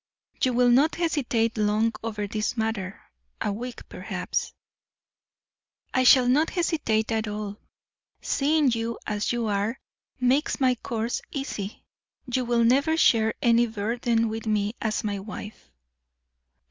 "You will not hesitate long over this matter; a week, perhaps." "I shall not hesitate at all. Seeing you as you are, makes my course easy. You will never share any burden with me as my wife."